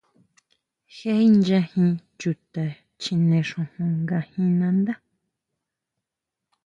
¿Jé inchají chuta chjine xujun ngajin nandá?